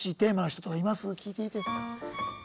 聞いていいですか？